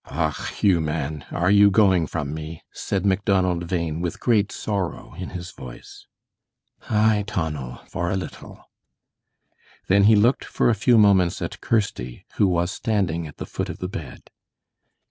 "Och, Hugh, man. Are you going from me?" said Macdonald Bhain, with great sorrow in his voice. "Aye, Tonal, for a little." Then he looked for a few moments at Kirsty, who was standing at the foot of the bed.